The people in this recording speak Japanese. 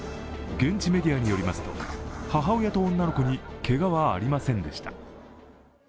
現地メディアによりますと母親と女の子にけがはありませんでした。